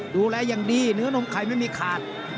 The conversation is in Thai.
ดูแลอย่างดีเนื้อนมไข่ไม่มีขาด